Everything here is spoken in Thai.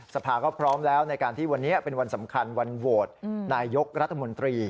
สภาก็พร้อมแล้วในการที่วันนี้เป็นวันสำคัญวันโหวตนายกรัฐมนตรี